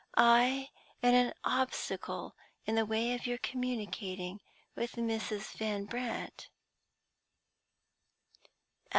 I am an obstacle in the way of your communicating with Mrs. Van Brandt."